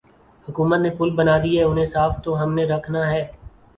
حکومت نے پل بنادیئے انہیں صاف تو ہم نے رکھنا ہے۔